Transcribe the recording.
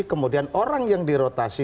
kemudian orang yang dirotasi